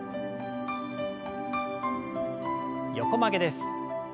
横曲げです。